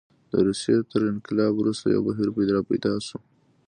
د روسیې تر انقلاب وروسته یو بهیر راپیدا شو.